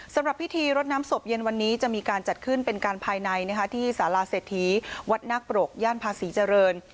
สำหรับพิธีรดน้ำศพเย็นวันนี้จะมีการจัดขึ้นเป็นการภายในที่สาราเศรษฐีวัดนาคปรกย่านภาษีเจริญ